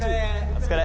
お疲れ。